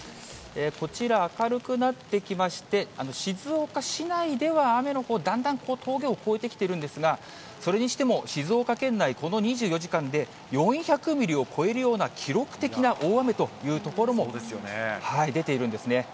こちら、明るくなってきまして、静岡市内では雨のほう、だんだん峠を越えてきてるんですが、それにしても、静岡県内、この２４時間で４００ミリを超えるような、記録的な大雨という所も出ているんですね。